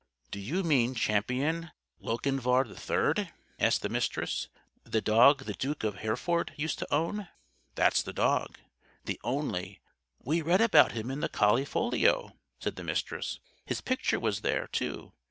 "Do you mean Champion Lochinvar III?" asked the Mistress. "The dog the Duke of Hereford used to own?" "That's the dog. The only " "We read about him in the Collie Folio," said the Mistress. "His picture was there, too.